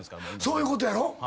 そういうことやろ。